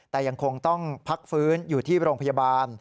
แต่ยังคงต้องพักฟื้นอยู่ที่โรงพยาบาล